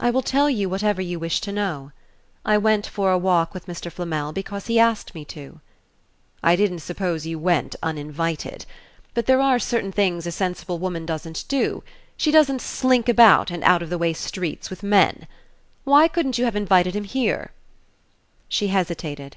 I will tell you whatever you wish to know. I went for a walk with Mr. Flamel because he asked me to." "I didn't suppose you went uninvited. But there are certain things a sensible woman doesn't do. She doesn't slink about in out of the way streets with men. Why couldn't you have seen him here?" She hesitated.